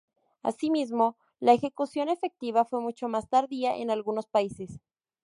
Asimismo, la ejecución efectiva fue mucho más tardía en algunos países.